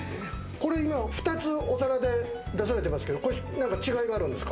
これ今、２つお皿で出されていますけど、違いがあるんですか？